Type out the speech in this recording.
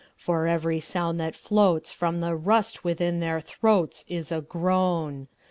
For every sound that floatsFrom the rust within their throatsIs a groan.